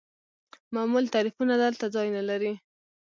معمول تعریفونه دلته ځای نلري.